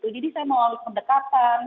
jadi saya mau ambil pendekatan